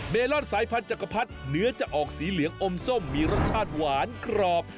ลอนสายพันธักพรรดิเนื้อจะออกสีเหลืองอมส้มมีรสชาติหวานกรอบ